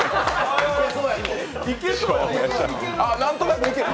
なんとなくいける。